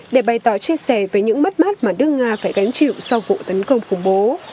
để bày tỏ chia sẻ về những mất mát mà nước nga phải gánh chịu sau vụ tấn công khủng bố